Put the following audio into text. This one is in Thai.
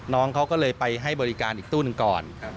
น้องเขาก็เลยไปให้บริการอีกตู้หนึ่งก่อน